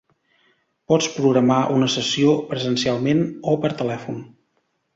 Pots programar una sessió presencialment o per telèfon.